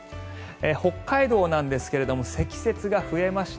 北海道なんですが積雪が増えました。